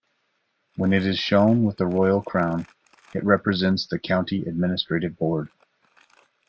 When it is shown with a royal crown, it represents the county administrative board.